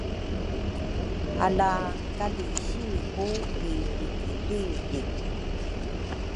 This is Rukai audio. Ala kalisi ku lrilrikili li